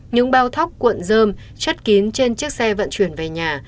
những bao thóc cuộn dơm chất kín trên chiếc xe vận chuyển về nhà